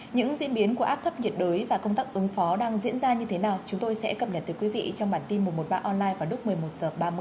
những diễn biến của áp thấp nhiệt đới và công tác ứng phó đang diễn ra như thế nào chúng tôi sẽ cập nhật tới quý vị trong bản tin một trăm một mươi ba online vào lúc một mươi một h ba mươi